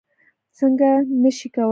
څکه نه شي کولی.